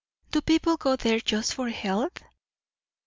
"Do people go there just for health?"